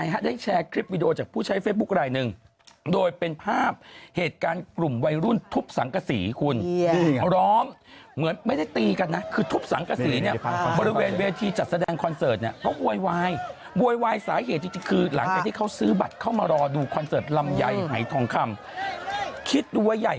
ได้แชร์คลิปวิดีโอจากผู้ใช้เฟซบุ๊คลายหนึ่งโดยเป็นภาพเหตุการณ์กลุ่มวัยรุ่นทุบสังกษีคุณร้องเหมือนไม่ได้ตีกันนะคือทุบสังกษีเนี่ยบริเวณเวทีจัดแสดงคอนเสิร์ตเนี่ยเขาโวยวายโวยวายสาเหตุจริงคือหลังจากที่เขาซื้อบัตรเข้ามารอดูคอนเสิร์ตลำไยหายทองคำคิดดูว่าใหญ่